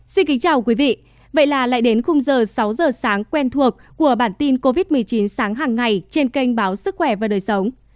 xin kính chào quý vị vậy là lại đến khung giờ sáu giờ sáng quen thuộc của bản tin covid một mươi chín sáng hàng ngày trên kênh báo sức khỏe và đời sống